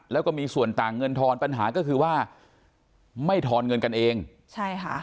แล้วก็มีส่วนต่างเงินทอนปัญหาก็คือว่าไม่ทอนเงินกันเองใช่ค่ะ